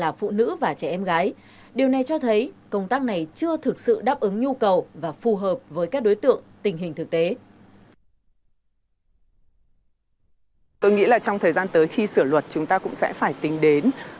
là phụ nữ và trẻ em gái điều này cho thấy công tác này chưa thực sự đáp ứng nhu cầu và phù hợp với các đối tượng tình hình thực tế